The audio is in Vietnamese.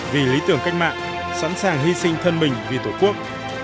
vì lý tưởng cách mạng sẵn sàng hy sinh thân mình vì tổ quốc